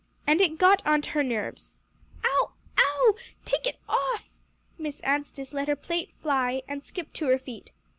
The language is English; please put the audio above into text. And it got on to her nerves. "Oh ow! Take it off." Miss Anstice let her plate fly, and skipped to her feet.